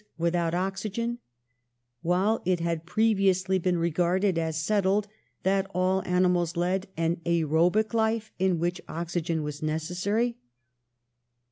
without oxy gen), while it had previously been regarded as settled that all animals led an aerobic life, in which oxygen was a necessity?